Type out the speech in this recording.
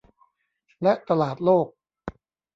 และตลาดโลก